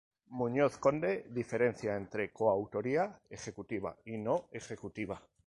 Muñoz Conde diferencia entre coautoría ejecutiva y no ejecutiva.